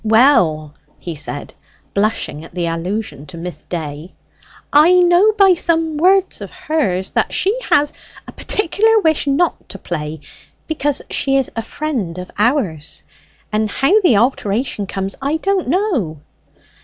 "Well," he said, blushing at the allusion to Miss Day, "I know by some words of hers that she has a particular wish not to play, because she is a friend of ours; and how the alteration comes, I don't know."